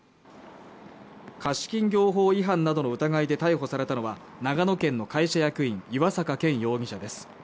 貸金業法違反などの疑いで逮捕されたのは長野県の会社役員岩坂健容疑者です